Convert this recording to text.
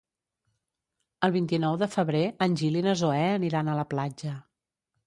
El vint-i-nou de febrer en Gil i na Zoè aniran a la platja.